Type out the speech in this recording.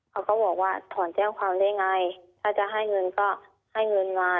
เขาก็บอกว่าถอนแจ้งความได้ไงถ้าจะให้เงินก็ให้เงินมา